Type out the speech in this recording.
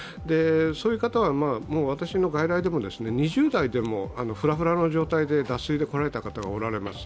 そういう方はもう私の外来でも２０代でもフラフラの状態で脱水で来られた方がおられます。